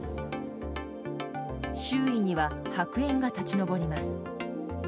周囲には白煙が立ち上ります。